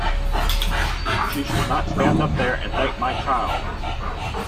She should not stand up there and thank my child.